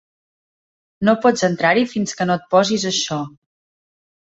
No pots entrar-hi fins que no et posis això.